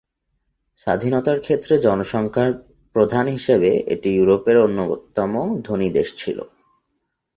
স্বাধীনতার ক্ষেত্রে, জনসংখ্যার প্রধান হিসাবে এটি ইউরোপের অন্যতম ধনী দেশ ছিল।